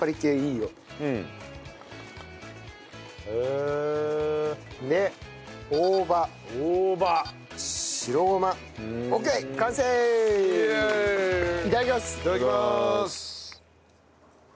いただきます。